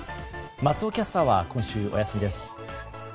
松尾キャスターは今週、お休みです。